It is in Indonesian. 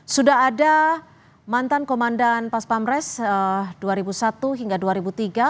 sudah ada mantan komandan pas pamres dua ribu satu hingga dua ribu tiga